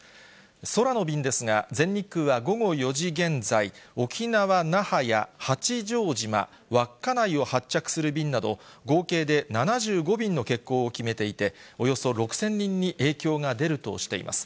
空の便ですが、全日空は午後４時現在、沖縄・那覇や八丈島、稚内を発着する便など、合計で７５便の欠航を決めていて、およそ６０００人に影響が出るとしています。